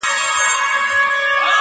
اورېدلې مي په کور کي له کلو ده.!